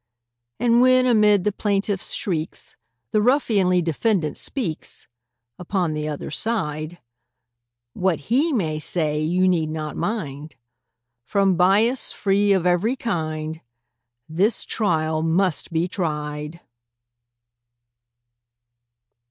And when amid the plaintiff's shrieks, The ruffianly defendant speaks— Upon the other side; What he may say you need not mind— From bias free of every kind, This trial must be tried!